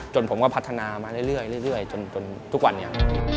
ผมก็พัฒนามาเรื่อยจนทุกวันนี้